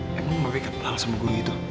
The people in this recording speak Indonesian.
emang be kepal sama guru itu